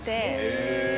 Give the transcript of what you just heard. へえ。